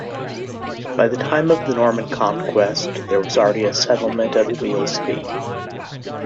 By the time of the Norman conquest there was already a settlement at Weelsby.